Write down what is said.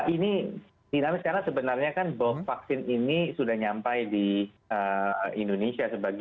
ini dinamis karena sebenarnya kan box vaksin ini sudah nyampai di indonesia sebagian ya